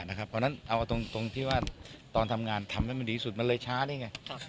เพราะฉะนั้นเอาตรงที่ว่าตอนทำงานทำให้มันดีสุดมันเลยช้านี่ไง